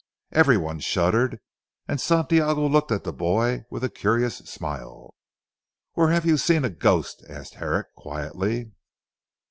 Everybody shuddered, and Santiago looked at the boy with a curious smile. "Where have you seen a ghost?" asked Herrick quietly.